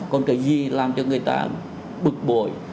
còn cái gì làm cho người ta bực bội